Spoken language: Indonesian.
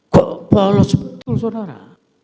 kalau sebetul saudara